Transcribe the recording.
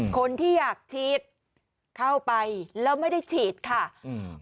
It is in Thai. คนที่อยากฉีดเข้าไปแล้วไม่ได้ฉีดค่ะอืม